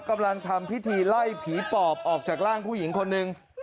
กำลังทำพิธีไล่ผีปอบออกจากร่างผู้หญิงคนหนึ่ง